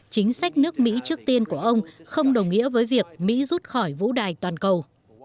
chính sách nước mỹ trước tiên của ông không đồng nghĩa với việc mỹ rút khỏi vũ đài toàn cầu